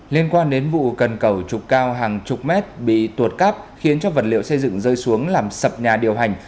liên quan đến vụ cần cầu trục cao hàng chục mét bị tuột cắt khiến cho vật liệu xây dựng rơi xuống làm sập nhà điều hành